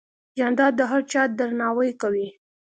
جانداد د هر چا درناوی کوي.